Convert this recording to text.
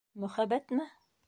Мөхәббәтме?